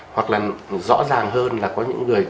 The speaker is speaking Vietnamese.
hoặc là rõ ràng hơn là có những người